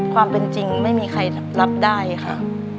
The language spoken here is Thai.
ความเป็นจริงไม่มีใครรับได้ค่ะ